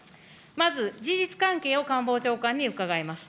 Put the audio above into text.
まず事実関係を官房長官に伺います。